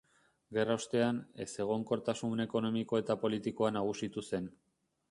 Gerra ostean, ezegonkortasun ekonomiko eta politikoa nagusitu zen.